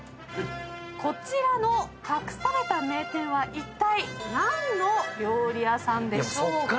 こちらの隠された名店はいったい何の料理屋さんでしょうか？